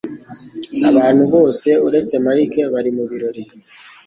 Abantu bose uretse Mike bari mubirori.